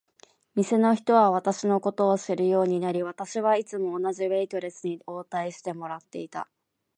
店の人は私のことを知るようになり、私はいつも同じウェイトレスに応対してもらっていた。